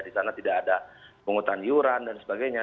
di sana tidak ada penghutang iuran dan sebagainya